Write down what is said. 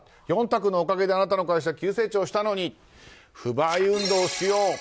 ヨンタクのおかげであなたの会社は急成長したのに不買運動をしよう。